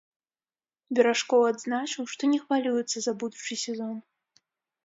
Беражкоў адзначыў, што не хвалюецца за будучы сезон.